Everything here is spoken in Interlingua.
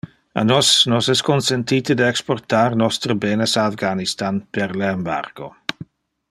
A nos nos es consentite de exportar nostre benes a Afghanistan, per le embargo.